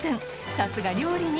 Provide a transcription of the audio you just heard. さすが料理人！